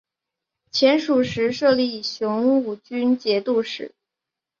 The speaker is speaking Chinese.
前蜀时设立雄武军节度使。